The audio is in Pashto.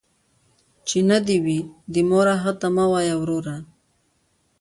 ـ چې نه دې وي، د موره هغه ته مه وايه وروره.